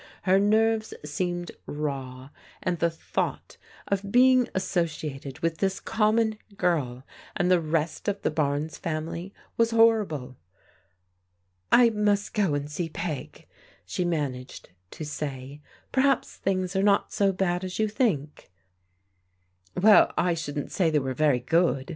Her nerves seemed raw, and the thought of being associated with this common girl, and the rest of the Barnes family, was horrible. " I must go and see Peg," she managed to say. " Perhaps things are not so bad as you think." " Well, I shouldn't say they were very good.